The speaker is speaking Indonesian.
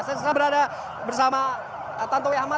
saya sudah berada bersama tantowi ahmad